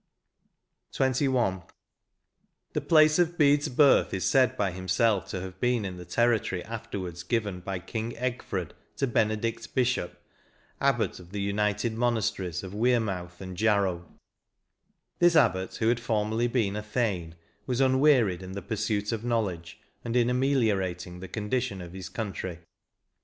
42 XXI. The place of Bede's birth is said by himself to have been in the territory afterwards given by King Egfred to Benedict Biscop, abbot of the united monasteries of Wearmouth and Jarrow ; this abbot, who had formerly been a thane, was unwearied in the pursuit of knowledge and in ameliorating the condition of his country.